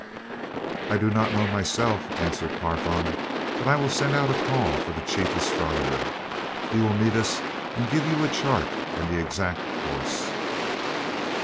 "I do not know, myself," answered Carfon, "but I will send out a call for the chief astronomer. He will meet us, and give you a chart and the exact course."